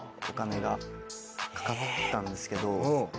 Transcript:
お金がかかったんですけど。